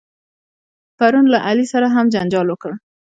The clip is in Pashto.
پرون له علي سره هم جنجال وکړ.